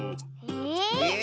え？